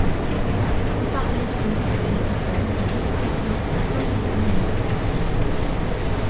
On parlait peu des détails des expériences faites individuellement.